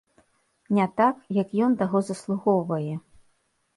Не так, як ён таго заслугоўвае.